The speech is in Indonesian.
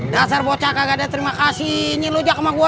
dasar bocah kagak ada terima kasih ini lu jak sama gua